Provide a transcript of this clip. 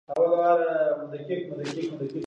خلک دا بدلون ستایي.